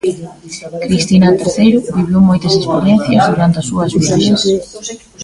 Cristina Terceiro viviu moitas experiencias durante as súas viaxes.